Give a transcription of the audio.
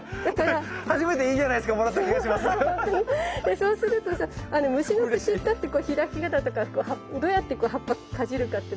そうするとさ虫の気になってこう開き方とかどうやって葉っぱかじるかっていうのあるから。